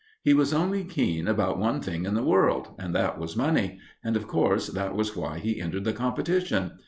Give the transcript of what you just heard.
He was only keen about one thing in the world, and that was money; and, of course, that was why he entered the competition.